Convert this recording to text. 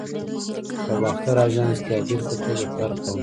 په باختر آژانس کې اجیر په توګه کار کاوه.